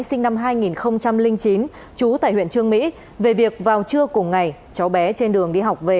sinh năm hai nghìn chín chú tại huyện trương mỹ về việc vào trưa cùng ngày cháu bé trên đường đi học về